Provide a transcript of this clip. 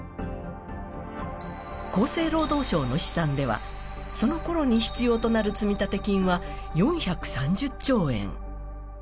厚生労働省の試算では、その頃に必要となる積立金は４３０兆円。